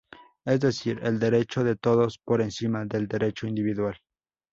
Es decir el derecho de todos por encima del derecho individual.